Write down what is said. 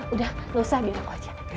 udah gak usah biar aku aja